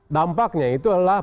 dampaknya itu adalah